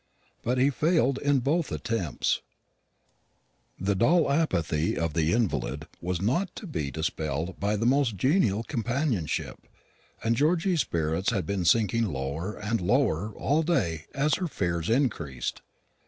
But he failed in both attempts; the dull apathy of the invalid was not to be dispelled by the most genial companionship, and Georgy's spirits had been sinking lower and lower all day as her fears increased.